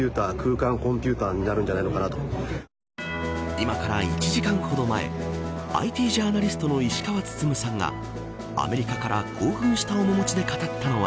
今から１時間ほど前ＩＴジャーナリストの石川温さんがアメリカから興奮した面もちで語ったのは